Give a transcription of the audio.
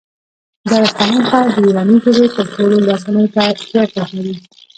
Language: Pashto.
د آی خانم ښار د یوناني ژبې تر ټولو لرغونی تیاتر لري